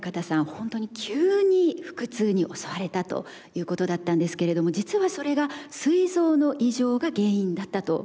ほんとに急に腹痛に襲われたということだったんですけれども実はそれがすい臓の異常が原因だったということなんですね。